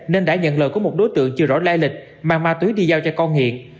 nên đã nhận lời của một đối tượng chưa rõ lai lịch mang ma túy đi giao cho con nghiện